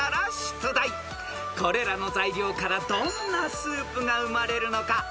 ［これらの材料からどんなスープが生まれるのか］